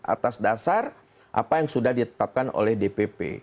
atas dasar apa yang sudah ditetapkan oleh dpp